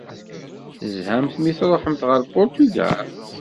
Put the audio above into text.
Tezhamt mi tṛuḥemt ɣer Puṛtugal?